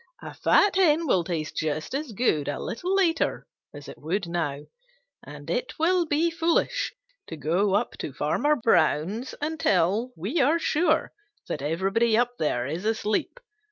A fat hen will taste just as good a little later as it would now, and it will be foolish to go up to Farmer Brown's until we are sure that everybody up there is asleep.